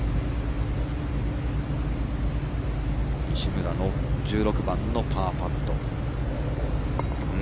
西村の１６番のパーパット。